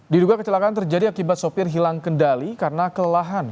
diduga kecelakaan terjadi akibat sopir hilang kendali karena kelelahan